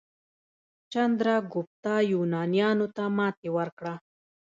چندراګوپتا یونانیانو ته ماتې ورکړه.